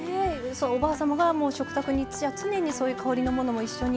おばあ様が食卓に常に香りのものも一緒に。